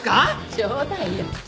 冗談よ。